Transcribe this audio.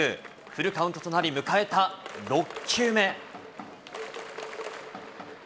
フルカウントとなり、迎えた６球目。